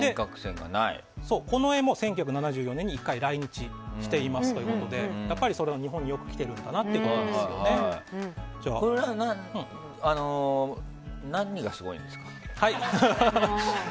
この絵も、１９７４年に１回来日していてやっぱりそれは日本によく来てるなっていうのがこれは何がすごいんですか？